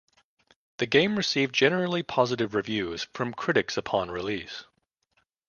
The game received generally positive reviews from critics upon release.